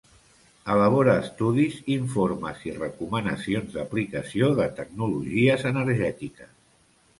Elabora estudis, informes i recomanacions d'aplicació de tecnologies energètiques.